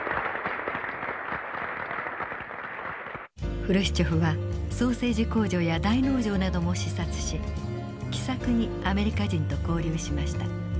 フルシチョフはソーセージ工場や大農場なども視察し気さくにアメリカ人と交流しました。